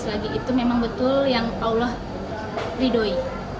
selagi itu memang betul yang allah ridhoi